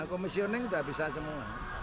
komisioning sudah bisa semua